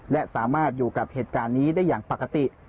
และสามารถอยู่กับเหตุการณ์นี้ได้อย่างปกติ